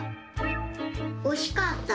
おしかった。